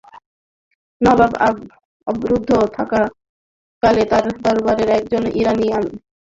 নবাব অবরুদ্ধ থাকাকালে তার দরবারের একজন ইরানি আমির মীর হাবিব মারাঠাদের হাতে বন্দি হন এবং তাদের সঙ্গে যোগদান করেন।